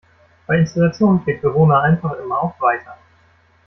Bei Installationen klickt Verona einfach immer auf "Weiter".